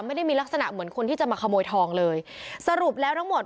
ไม่ได้มีลักษณะเหมือนคนที่จะมาขโมยทองเลยสรุปแล้วทั้งหมด